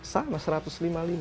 sama satu ratus lima puluh lima